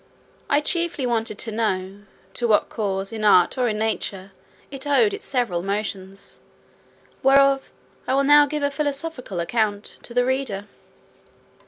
I chiefly wanted to know, to what cause, in art or in nature, it owed its several motions, whereof I will now give a philosophical account to the reader.